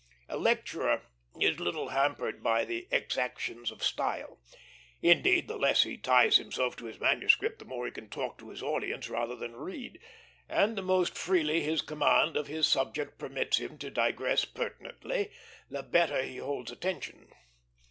A lecturer is little hampered by the exactions of style; indeed, the less he ties himself to his manuscript, the more he can talk to his audience rather than read, and the more freely his command of his subject permits him to digress pertinently, the better he holds attention.